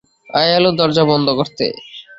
আয়া এল দরজা বন্ধ করতে।